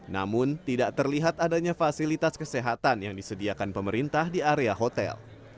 namun tidak terlihat adanya fasilitas kesehatan yang disediakan pemerintah di area hotel